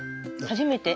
初めて？